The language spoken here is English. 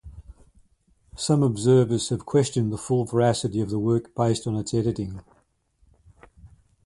Some observers have questioned the full veracity of the work based on its editing.